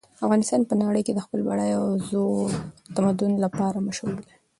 افغانستان په نړۍ کې د خپل بډایه او زوړ تمدن لپاره مشهور ده